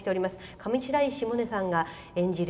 上白石萌音さんが演じる